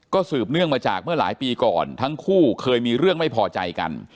สืบเนื่องมาจากเมื่อหลายปีก่อนทั้งคู่เคยมีเรื่องไม่พอใจกัน